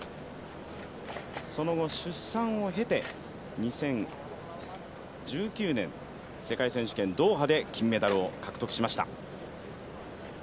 その後出産を経て、２０１９年、世界選手権ドーハで金メダルを獲得しました。